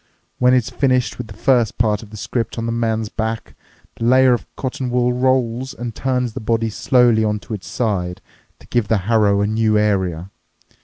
When it's finished with the first part of the script on the man's back, the layer of cotton wool rolls and turns the body slowly onto its side to give the harrow a new area.